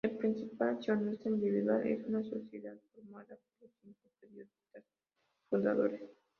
El principal accionista individual es una sociedad formada por los cinco periodistas fundadores.